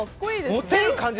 モテる感じ